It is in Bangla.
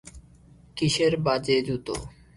কীসের বাজে জুতো?